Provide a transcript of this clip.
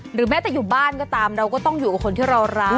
แม้จะอยู่บ้านก็ตามเราก็ต้องอยู่กับคนที่เรารัก